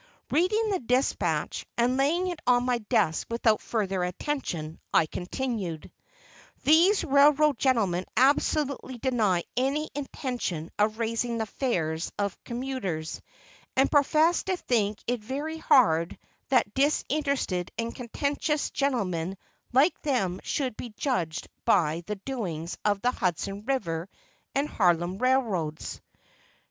Reading the despatch, and laying it on my desk without further attention, I continued: These railroad gentlemen absolutely deny any intention of raising the fares of commuters, and profess to think it very hard that disinterested and conscientious gentlemen like them should be judged by the doings of the Hudson River and Harlem Railroads.